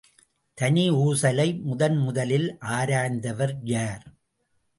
தனி ஊசலை முதன்முதலில் ஆராய்ந்தவர் யார்?